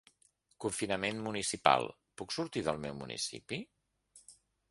Confinament municipal: puc sortir del meu municipi?